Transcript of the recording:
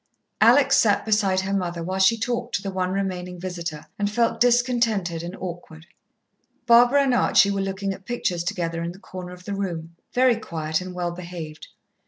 Alex sat beside her mother while she talked to the one remaining visitor, and felt discontented and awkward. Barbara and Archie were looking at pictures together in the corner of the room, very quiet and well behaved.